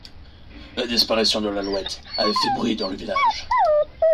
La disparition de l’Alouette avait fait bruit dans le village.